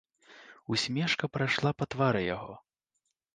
Усмешка прайшла па твары яго.